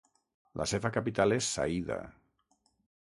La seva capital és Saïda.